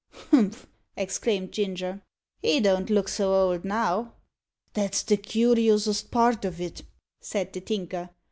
"Humph!" exclaimed Ginger. "He don't look so old now." "That's the cur'ousest part of it," said the Tinker.